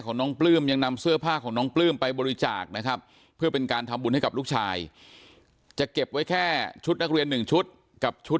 นอกจากนี้นะครับ